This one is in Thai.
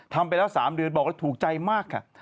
ทำไปแล้ว๓เดือนบอกแล้วถูกใจมากค่ะ